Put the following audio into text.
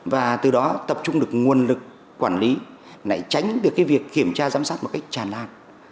và từ đó tập trung được nguồn lực quản lý để tránh được cái việc kiểm tra giám sát một cách tràn lan